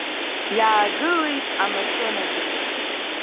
Иаагылеит амашьынагьы.